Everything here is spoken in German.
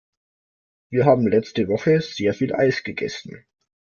Wir haben letzte Woche sehr viel Eis gegessen.